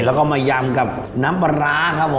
แล้วก็มายำกับน้ำปลาร้าครับผม